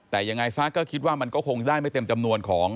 แต่ยังไงซะก็คิดว่ามันก็คงได้ไม่เต็มจำนวนของ